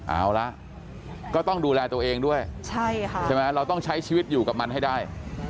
เอาละก็ต้องดูแลตัวเองด้วยใช่ไหมเราต้องใช้ชีวิตอยู่กับมันให้ได้